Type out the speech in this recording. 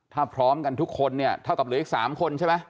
ถ้าพร้อมกันทุกคนเนี่ยเท่ากับเหลืออีก๓คนใช่ไหม